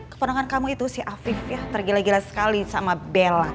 keponangan kamu itu si afif ya tergila gila sekali sama bella